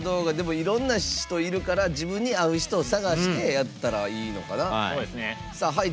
いろんな人いるから自分に合う人を探してやったらいいのかな。